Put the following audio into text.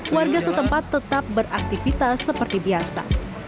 warga setempat tetap beraktivitas seperti biasa